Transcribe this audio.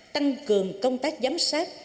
tăng cường công tác giám sát